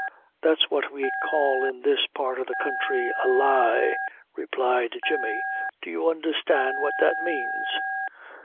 "That's what we call in this part of the counthry a lie," replied Jemmy. "Do you understand what that manes?"